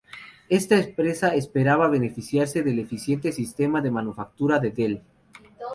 Esta empresa esperaba beneficiarse del eficiente sistema de manufactura de Dell.